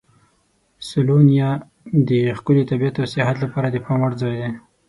سلووینیا د ښکلي طبیعت او سیاحت لپاره د پام وړ ځای دی.